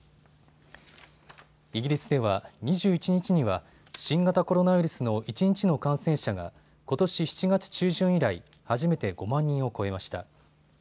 イギリスでは２１日には新型コロナウイルスの一日の感染者がことし７月中旬以来、初めて５万人を超えました。